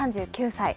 ３９歳。